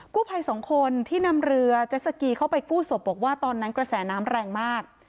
ภัยสองคนที่นำเรือเจสสกีเข้าไปกู้ศพบอกว่าตอนนั้นกระแสน้ำแรงมาก